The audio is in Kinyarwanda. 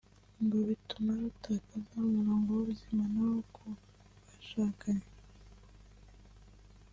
ngo bituma rutakaza umurongo w’ubuzima naho ku bashakanye